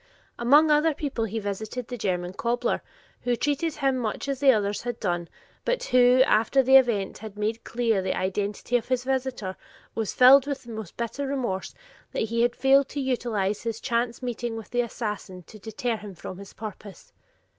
Among other people, he visited the German cobbler, who treated him much as the others had done, but who, after the event had made clear the identity of his visitor, was filled with the most bitter remorse that he had failed to utilize his chance meeting with the assassin to deter him from his purpose.